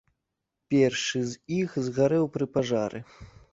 Першы з іх згарэў пры пажары.